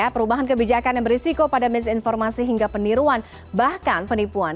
perubahan kebijakan yang berisiko pada misinformasi hingga peniruan bahkan penipuan